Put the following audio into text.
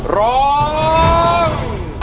ร้อง